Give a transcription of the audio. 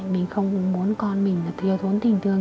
mình không muốn con mình là thiếu thốn tình thương